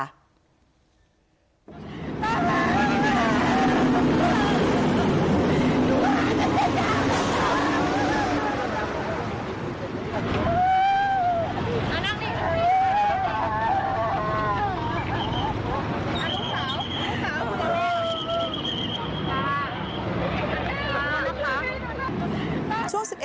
อ้าวลูกสาวลูกสาวลูกสาว